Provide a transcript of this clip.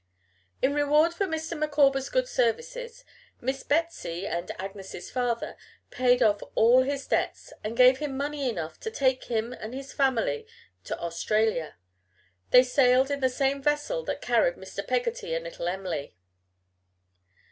In reward for Mr. Micawber's good services, Miss Betsy and Agnes's father paid off all his debts and gave him money enough to take him and his family to Australia. They sailed in the same vessel that carried Mr. Peggotty and little Em'ly.